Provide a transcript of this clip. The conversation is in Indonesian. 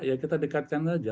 ya kita dekatkan aja